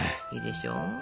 いいでしょ？